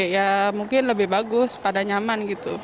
ya mungkin lebih bagus pada nyaman gitu